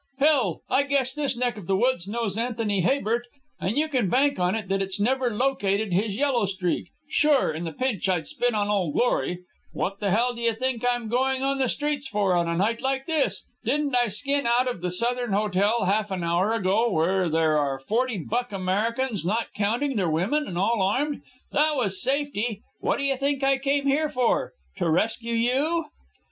"Hell! I guess this neck of the woods knows Anthony Habert, and you can bank on it that it's never located his yellow streak. Sure, in the pinch, I'd spit on Old Glory. What the hell d'ye think I'm going on the streets for a night like this? Didn't I skin out of the Southern Hotel half an hour ago, where there are forty buck Americans, not counting their women, and all armed? That was safety. What d'ye think I came here for? to rescue you?"